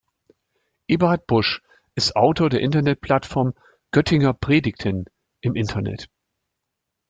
Eberhard Busch ist Autor der Internetplattform Göttinger Predigten im Internet.